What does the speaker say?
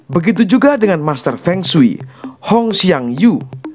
begitu juga dengan master feng shui hong xiang yu